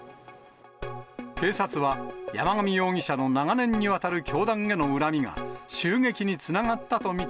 警察は、山上容疑者の長年にわたる教団への恨みが、襲撃につながったと見